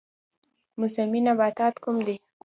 موسمي نباتات کوم دي؟